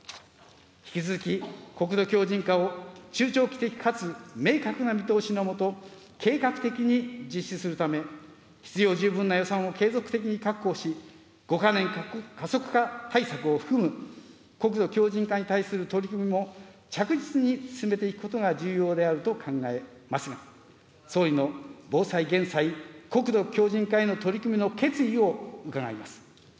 引き続き国土強じん化を中長期的かつ明確な見通しのもと、計画的に実施するため、必要十分な予算を継続的に確保し、５か年加速化対策を含む、国土強じん化に対する取り組みも着実に進めていくことが重要であると考えますが、総理の防災・減災、国土強じん化への取り組みの決意を伺います。